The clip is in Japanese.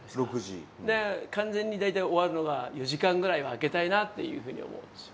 で完全に大体終わるのが４時間ぐらいは空けたいなっていうふうに思うんですよ。